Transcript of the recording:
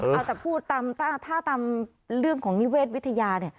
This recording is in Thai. เอออาจจะพูดถ้าตามเรื่องของนิเวศวิทยา